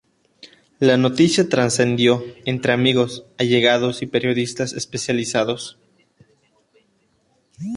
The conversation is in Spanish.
La noticia trascendió entre amigos, allegados y periodistas especializados.